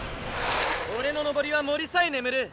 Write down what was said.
オレの登りは森さえ眠る。